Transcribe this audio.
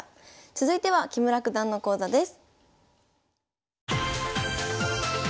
続いては木村九段の講座です。